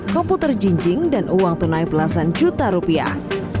komputer jinjing dan uang tunai belasan juta rupiah